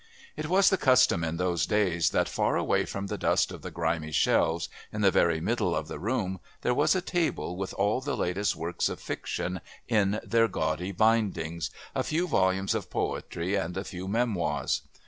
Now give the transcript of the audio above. It was the custom in those days that far away from the dust of the grimy shelves, in the very middle of the room, there was a table with all the latest works of fiction in their gaudy bindings, a few volumes of poetry and a few memoirs.